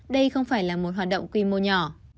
đây không phải là một hoạt động quy mô nhỏ